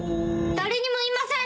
・誰にも言いません！